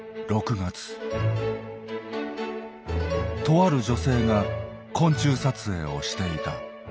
とある女性が昆虫撮影をしていた。